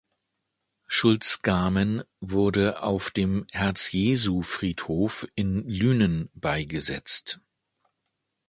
Schulz-Gahmen wurde auf dem Herz-Jesu-Friedhof in Lünen beigesetzt.